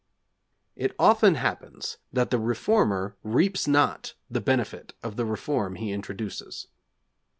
It often happens that the reformer reaps not the benefit of the reform he introduces.